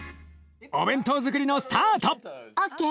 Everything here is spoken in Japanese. お弁当づくりのスタート！ＯＫ。